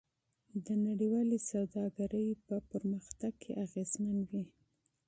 دا نړیوالې سوداګرۍ په پرمختګ کې اغیزمن وي.